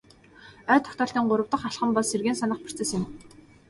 Ой тогтоолтын гурав дахь алхам бол сэргээн санах процесс юм.